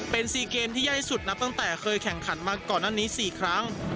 เป็น๔เกมที่ใหญ่สุดนับตั้งแต่เคยแข่งขันมาก่อนหน้านี้๔ครั้ง